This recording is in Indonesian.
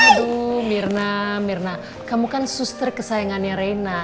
aduh mirna mirna kamu kan suster kesayangannya reina